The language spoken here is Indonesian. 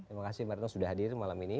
terima kasih mbak retno sudah hadir malam ini